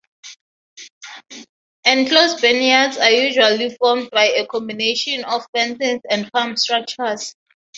Enclosed barnyards are usually formed by a combination of fences and farm structures.